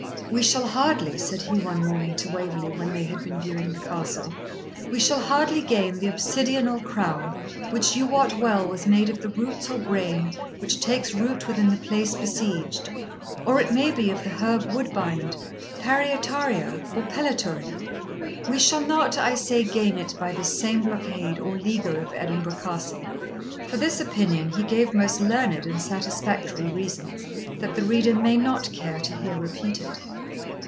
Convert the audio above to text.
'We shall hardly,' said he one morning to Waverley when they had been viewing the Castle 'we shall hardly gain the obsidional crown, which you wot well was made of the roots or grain which takes root within the place besieged, or it may be of the herb woodbind, parietaria, or pellitory; we shall not, I say, gain it by this same blockade or leaguer of Edinburgh Castle.' For this opinion he gave most learned and satisfactory reasons, that the reader may not care to hear repeated.